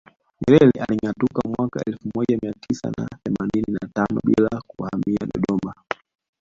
Nyerere alingatuka mwaka elfu moja mia tisa na themanini na tano bila kuhamia Dodoma